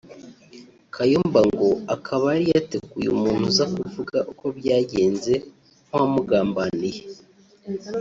Kayumba ngo akaba yari yateguye umuntu uza kuvuga uko byagenze nk’uwamugambaniye